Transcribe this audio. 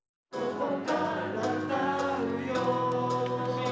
「ここから歌うよ」